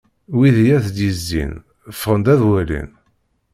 Wid i as-d-yezzin ffɣen-d ad walin.